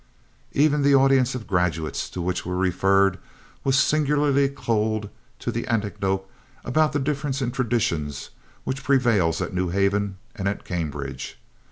Even the audience of graduates to which we referred was singularly cold to the anecdote about the difference in traditions which prevails at New Haven and at Cambridge.